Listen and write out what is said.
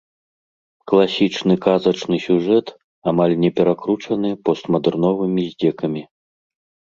Класічны казачны сюжэт, амаль не перакручаны постмадэрновымі здзекамі.